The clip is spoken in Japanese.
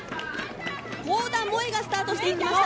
幸田萌がスタートしていました。